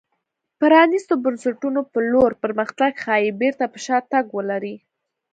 پرانېستو بنسټونو په لور پرمختګ ښايي بېرته پر شا تګ ولري.